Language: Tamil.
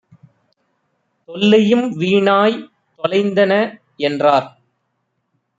தொல்லையும் வீணாய்த் தொலைந்தன" என்றார்.